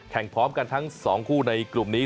พร้อมกันทั้ง๒คู่ในกลุ่มนี้